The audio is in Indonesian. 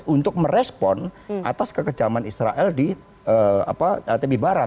untuk merespon atas kekejaman israel di tepi barat